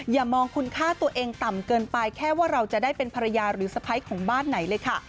อย่ามองคุณค่าตัวเองต่ำเกินไปแค่ว่าเราจะได้เป็นภรรยาหรือสะพ้ายของบ้านไหนเลยค่ะ